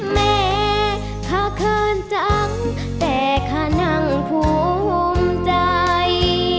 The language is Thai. แม่ข้าเขินจังแต่ข้านั่งภูมิใจ